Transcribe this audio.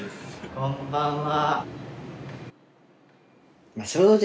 こんばんは。